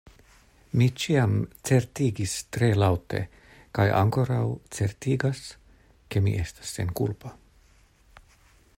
Mi ĉiam certigis tre laŭte kaj ankoraŭ certigas, ke mi estas senkulpa.